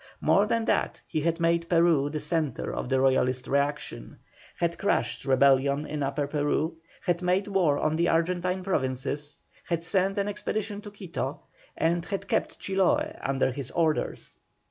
More than that, he had made Peru the centre of the Royalist reaction, had crushed rebellion in Upper Peru, had made war on the Argentine provinces, had sent an expedition to Quito, and had kept Chiloe under his orders.